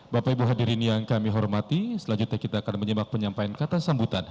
bapak ibu hadirin yang kami hormati selanjutnya kita akan menyimak penyampaian kata sambutan